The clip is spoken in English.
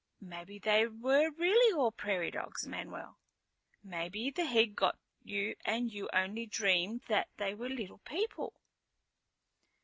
"Maybe they were really all prairie dogs, Manuel. Maybe the heat got you and you only dreamed that they were little people."